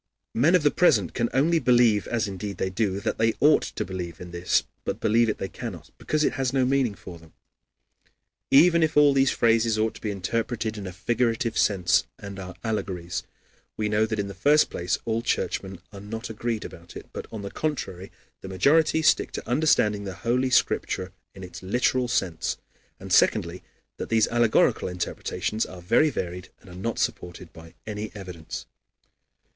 Men of the present can only believe, as indeed they do, that they ought to believe in this; but believe it they cannot, because it has no meaning for them. Even if all these phrases ought to be interpreted in a figurative sense and are allegories, we know that in the first place all Churchmen are not agreed about it, but, on the contrary, the majority stick to understanding the Holy Scripture in its literal sense; and secondly, that these allegorical interpretations are very varied and are not supported by any evidence.